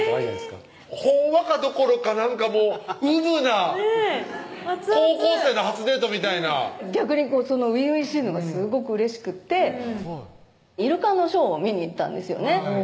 ほんわかどころかなんかもうウブな高校生の初デートみたいな逆にその初々しいのがすごくうれしくってイルカのショーを見に行ったんですよね